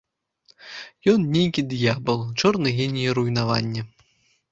Ён нейкі д'ябал, чорны геній руйнавання.